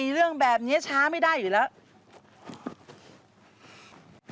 เรื่องแบบนี้ช้าไม่ได้อยู่แล้ว